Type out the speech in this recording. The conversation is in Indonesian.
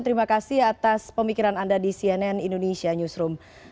terima kasih atas pemikiran anda di cnn indonesia newsroom